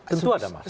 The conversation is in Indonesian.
tentu ada masalah